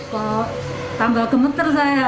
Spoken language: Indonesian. kok tambah gemeter saya